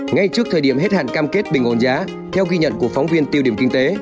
ngay trước thời điểm hết hạn cam kết bình ổn giá theo ghi nhận của phóng viên tiêu điểm kinh tế